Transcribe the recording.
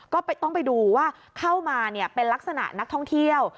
ก็ต้องไปดูว่าเข้ามาเป็นลักษณะนักท่องเที่ยว